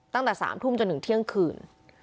ตั้งแต่๓ทุ่มจนถึงเที่ยงคืน